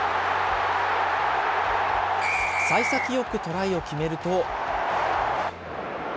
さい先よくトライを決めると。